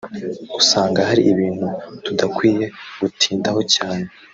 usanga hari ibintu tudakwiye gutindaho cyane